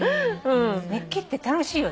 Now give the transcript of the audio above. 日記って楽しいよね？